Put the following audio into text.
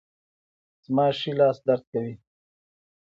زما ښي لاس درد کوي